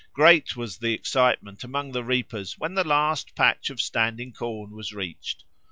Great was the excitement among the reapers when the last patch of standing corn was reached.